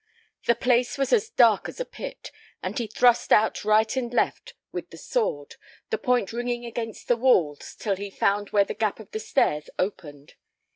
The place was as dark as a pit, and he thrust out right and left with the sword, the point ringing against the walls till he found where the gap of the stairs opened.